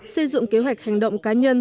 xây dựng kế hoạch hành động cá nhân